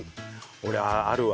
俺あるわ。